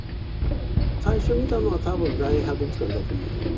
最初見たのはたぶん大英博物館だと思うんです。